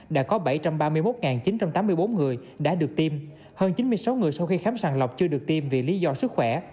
đã có bảy trăm ba mươi một chín trăm tám mươi bốn người đã được tiêm hơn chín mươi sáu người sau khi khám sàng lọc chưa được tiêm vì lý do sức khỏe